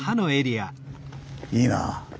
いいなぁ。